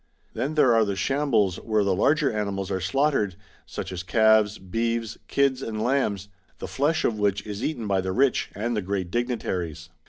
Then there are the shambles where the larger animals are slaughtered, such as calves, beeves, kids, and lambs, the flesh of which is eaten by the rich and the great dignitaries.